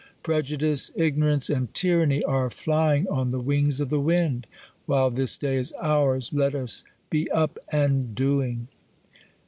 Prejudice, ignorance, and tyranny, arc flying on the wings of the wind. While this day is ours, let us be up and doing.